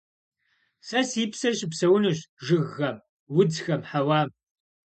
Сэ си псэр щыпсэунцущ жыгхэм, удзхэм, хьэуам.